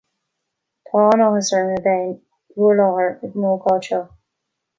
Tá an-áthas orm a bheith in bhur láthair ar an ócáid seo